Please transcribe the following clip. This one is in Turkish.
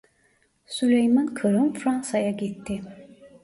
Süleyman Kırım Fransa'ya gitti.